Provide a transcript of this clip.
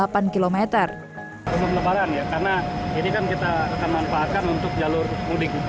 belum lebaran ya karena ini kan kita akan manfaatkan untuk jalur mudik